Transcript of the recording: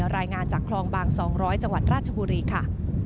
รายงานจากคลองบาง๒๐๐จังหวัดราชบุรีค่ะ